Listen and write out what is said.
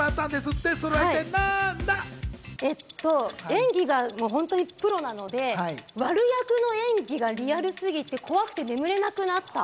演技が本当にプロなので、悪役の演技がリアルすぎて怖くて眠れなくなった？